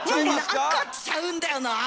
何かちゃうんだよなあ！